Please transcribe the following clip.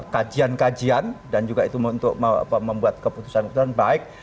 kajian kajian dan juga itu untuk membuat keputusan keputusan baik